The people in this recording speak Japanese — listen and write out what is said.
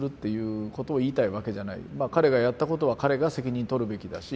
彼がやったことは彼が責任取るべきだし。